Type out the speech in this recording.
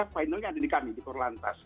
finalnya ada di kami di korlantas